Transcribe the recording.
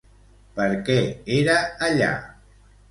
Per què era allà?